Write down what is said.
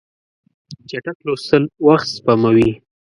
چټک لوستل وخت سپموي.